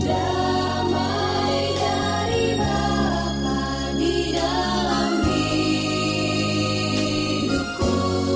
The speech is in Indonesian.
damai dari bapak di dalam hidupku